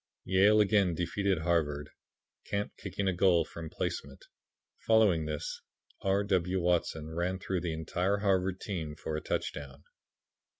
Yale again defeated Harvard, Camp kicking a goal from placement. Following this R. W. Watson ran through the entire Harvard team for a touchdown.